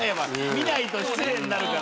見ないと失礼になるから。